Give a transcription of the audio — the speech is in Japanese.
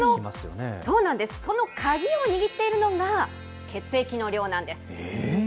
その鍵を握っているのが血液の量えー？